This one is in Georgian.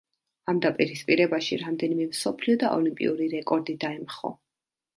ამ დაპირისპირებაში რამდენიმე მსოფლიო და ოლიმპიური რეკორდი დაემხო.